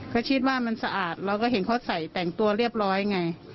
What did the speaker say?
เขาคิดว่ามันสะอาดเราก็เห็นเขาใส่แต่งตัวเรียบร้อยไง